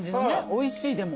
おいしいでも。